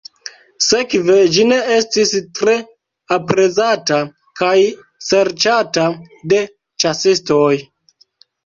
Sekve ĝi ne estis tre aprezata kaj serĉata de ĉasistoj.